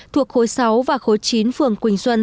thuộc khối sáu và khối chín phường quỳnh xuân